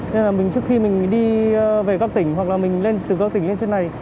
nên là mình trước khi mình đi về các tỉnh hoặc là mình lên từ các tỉnh lên trên này